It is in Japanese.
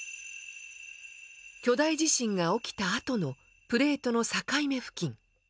巨大地震が起きたあとのプレートの境目付近。